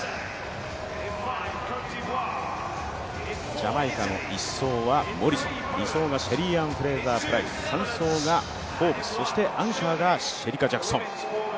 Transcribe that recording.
ジャマイカの１走はモリソン２走がシェリーアン・フレイザープライス、３走がフォーブス、そしてアンカーがシェリカ・ジャクソン。